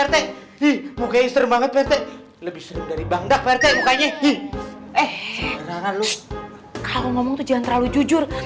perte di bukanya seru banget lebih dari bangda percaya ih eh kalau ngomong jangan terlalu jujur